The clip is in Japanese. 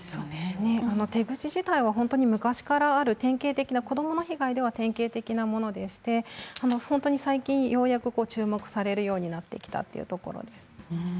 手口は昔からある典型的な子どもの被害では典型的なものでして本当に最近、ようやく注目されるようになってきたというところです。